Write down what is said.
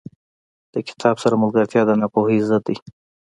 • د کتاب سره ملګرتیا، د ناپوهۍ ضد دی.